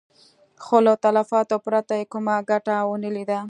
خو له تلفاتو پرته يې کومه ګټه ونه ليده.